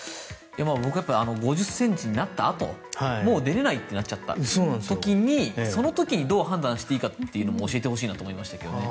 僕は５０ｃｍになったあともう出れないってなっちゃった時にどう判断していいかというのも教えてほしいと思いましたけど。